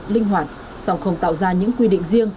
linh hoạt song không tạo ra những quy định riêng